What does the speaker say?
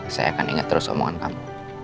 saya akan ingat terus omongan kamu